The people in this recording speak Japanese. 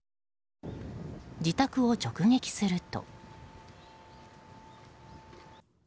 自宅を直撃すると。